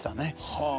はあ。